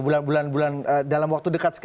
bulan bulan dalam waktu dekat ini ya